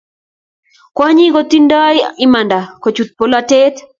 kwaknyik kotindo imanda kochut bolatet